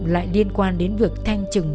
lại liên quan đến việc thanh trừng